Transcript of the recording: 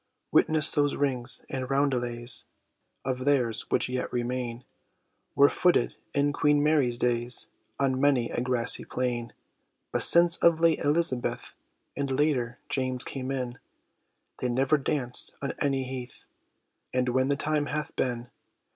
Witness those rings and roundelays Of theirs, which yet remain, Were footed in Queen Mary's days On many a grassy plain; But since of late Elizabeth, And later, James came in, They never danced on any heath As when the time hath been.